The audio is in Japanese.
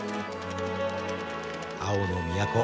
青の都